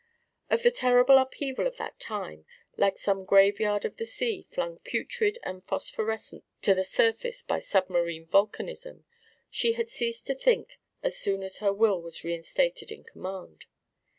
Of the terrific upheaval of that time, like some graveyard of the sea flung putrid and phosphorescent to the surface by submarine vulcanism, she had ceased to think as soon as her will was reinstated in command.